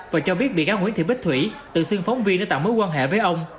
và cho biết bị cáo nguyễn thị bích thủy tự xưng phóng viên để tạo mối quan hệ với ông